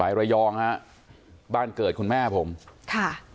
ระยองฮะบ้านเกิดคุณแม่ผมค่ะ